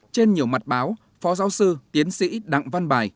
trên nhiều mặt báo phó giáo sư tiến sĩ đặng văn bài